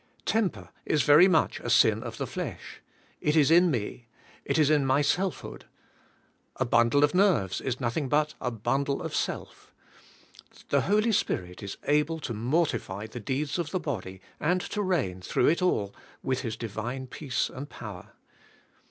Temper is very much a sin of the flesh. It is in me. It is my selfhood. A bundle of nerves is nothing but a bundle of self. The Holy Spirit is able to mortify the deeds of the body and to reig u through it all with His Divine peace and power.